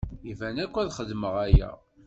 Iban akk ad xedmeɣ aya.